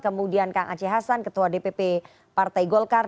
kemudian kang aceh hasan ketua dpp partai golkar